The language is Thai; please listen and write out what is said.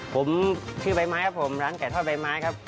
ผมชื่อใบไม้ครับผมร้านไก่ทอดใบไม้ครับ